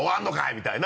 みたいな。